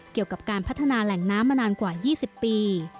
เกี่ยวกับการพัฒนาแหล่งน้ำมานานกว่า๒๐ปี